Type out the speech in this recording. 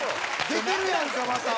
出てるやんかまた。